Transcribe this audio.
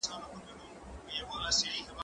هغه څوک چي سفر کوي تجربه اخلي؟!